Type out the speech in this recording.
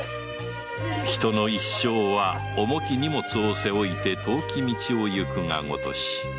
人の一生は重き荷物を背負いて遠き道を行くが如し